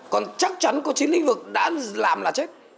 còn chắc chắn có chín lĩnh vực đã làm là chết